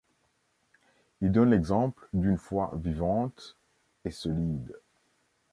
Il donne l’exemple d’une foi vivante et solide.